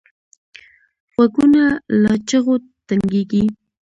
غوږونه له چغو تنګېږي